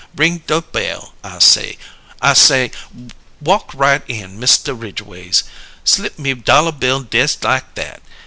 Ring do' bell. I say, I say: 'Walk right in, Mista Ridgways.' Slip me dollah bill dess like that!